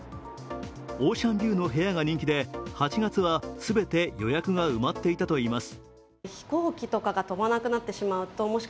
オーシャンビューの部屋が人気で８月は全て予約が埋まっていたといいます。